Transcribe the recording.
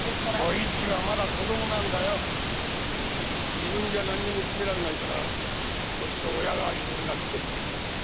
自分じゃ何も決められないから親代わりの俺が来てるんだ。